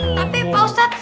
tapi pak ustadz